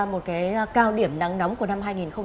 một cái cao điểm nắng nóng của năm hai nghìn một mươi chín